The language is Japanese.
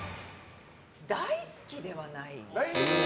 大好きではない。